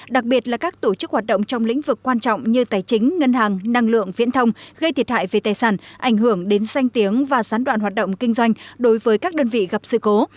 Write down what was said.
đặc biệt là các tổ chức hoạt động trong lĩnh vực quan trọng như tài chính ngân hàng năng lượng viễn thông gây thiệt hại về tài sản ảnh hưởng đến sanh tiếng và gián đoạn hoạt động kinh doanh đối với các đơn vị gặp sự cố